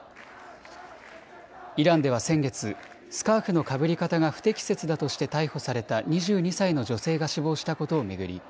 イランでは先月、スカーフのかぶり方が不適切だとして逮捕された２２歳の女性が死亡したことを巡り